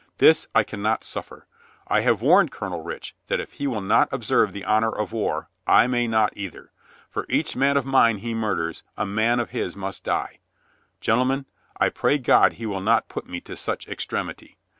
This I can not suffer. I have warned Colonel Rich that if he will not observe the honor of war, I may not either. For each man of mine he murders, a man of his must die. Gentlemen, I pray God he may not put me to such extremity.